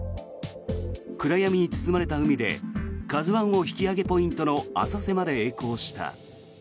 暗闇に包まれた海で「ＫＡＺＵ１」を引き揚げポイントの浅瀬までえい航した。